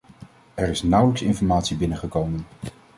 Er is nauwelijks informatie binnengekomen.